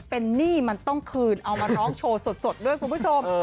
เป็นหนี้มันต้องคืนเอามาร้องโชว์สดด้วยคุณผู้ชม